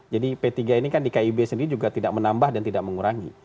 p tiga ini kan di kib sendiri juga tidak menambah dan tidak mengurangi